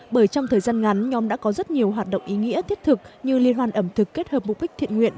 bởi trong thời gian ngắn nhóm đã có rất nhiều hoạt động ý nghĩa thiết thực như liên hoan ẩm thực kết hợp mục đích thiện nguyện